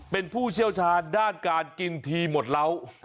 เป็นผู้เชี่ยวชาญด้านการกินทีหมดเหล้า